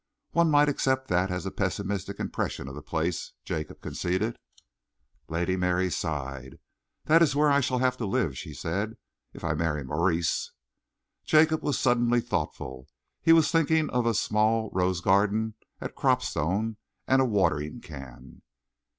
"One might accept that as a pessimistic impression of the place," Jacob conceded. Lady Mary sighed. "That is where I shall have to live," she said, "if I marry Maurice." Jacob was suddenly thoughtful. He was thinking of a small rose garden at Cropstone and a watering can.